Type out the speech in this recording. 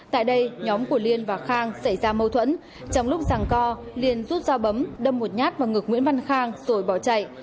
tại đây nhóm của liên và khang xảy ra mâu thuẫn trong lúc rằng co liền rút dao bấm đâm một nhát vào ngực nguyễn văn khang rồi bỏ chạy